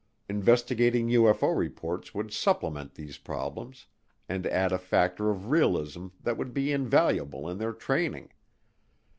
Investigating UFO reports would supplement these problems and add a factor of realism that would be invaluable in their training.